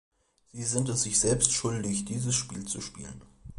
Sie sind es sich selbst schuldig, dieses Spiel zu spielen.